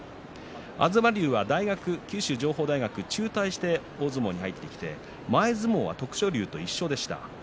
東龍は大学、九州情報大学を中退して大相撲に入ってきて前相撲は徳勝龍と一緒でした。